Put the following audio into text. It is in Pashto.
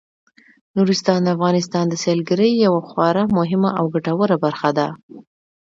نورستان د افغانستان د سیلګرۍ یوه خورا مهمه او ګټوره برخه ده.